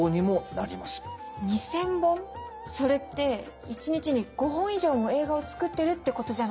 それって一日に５本以上も映画を作ってるってことじゃないですか！